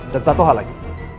dan satu hal lagi